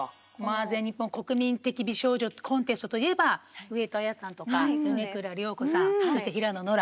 全日本国民的美少女コンテストといえば上戸彩さんとか米倉涼子さんそして平野ノラ。